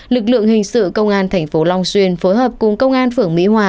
lực lượng hình sự công an thành phố long xuyên phối hợp cùng công an phường mỹ hòa